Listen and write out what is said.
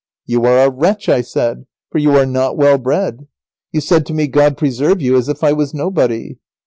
'You are a wretch,' I said, 'for you are not well bred. You said to me "God preserve you," as if I was nobody.